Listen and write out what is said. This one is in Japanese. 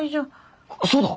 そうだ！